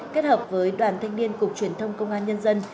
kết hợp với đoàn thanh niên cục truyền thông công an nhân dân